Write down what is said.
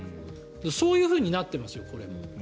そういうふうになってますよこれも。